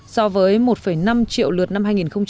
so với một năm triệu lượt năm hai nghìn một mươi tám